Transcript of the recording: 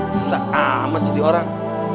susah amat jadi orang